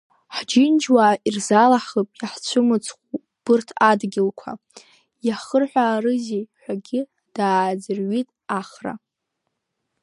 Ҳџьынџьуаа ирзалаҳхып иаҳцәымыцхәу убарҭ адгьылқәа, иахырҳәаарызеи ҳәагьы дааӡырҩит Ахра.